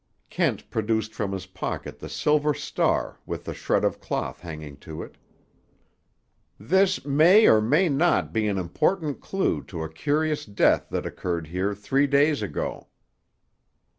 Kent produced from his pocket the silver star with the shred of cloth hanging to it. "This may or may not be an important clue to a curious death that occurred here three days ago."